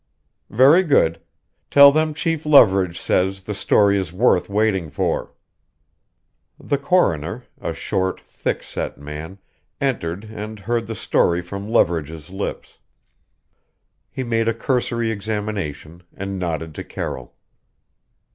"Very good. Tell them Chief Leverage says the story is worth waiting for." The coroner a short, thick set man entered and heard the story from Leverage's lips. He made a cursory examination and nodded to Carroll.